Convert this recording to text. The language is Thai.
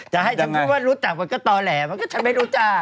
จะให้ฉันพูดว่ารู้จักมันก็ต่อแหละฉันไม่รู้จัก